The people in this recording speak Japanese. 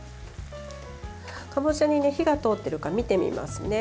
かぼちゃに火が通っているか見てみますね。